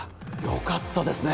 良かったですね。